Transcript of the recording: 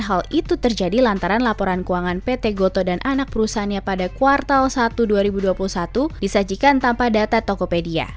hal itu terjadi lantaran laporan keuangan pt goto dan anak perusahaannya pada kuartal satu dua ribu dua puluh satu disajikan tanpa data tokopedia